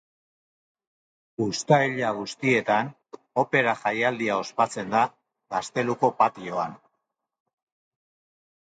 Uztaila guztietan Opera jaialdia ospatzen da gazteluko patioan.